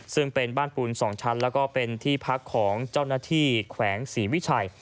ซึ่งเป็นบ้านปูน๒ชั้นแล้วก็เป็นที่พักของเจ้าหน้าที่แขวงศรีวิชัย